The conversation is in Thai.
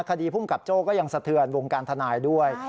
ภูมิกับโจ้ก็ยังสะเทือนวงการทนายด้วย